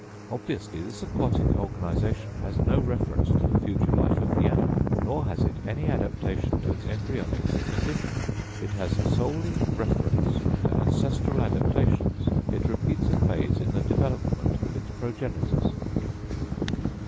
Obviously this aquatic organisation has no reference to the future life of the animal, nor has it any adaptation to its embryonic condition; it has solely reference to ancestral adaptations, it repeats a phase in the development of its progenitors."